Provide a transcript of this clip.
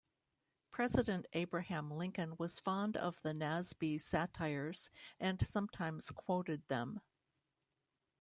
President Abraham Lincoln was fond of the Nasby satires and sometimes quoted them.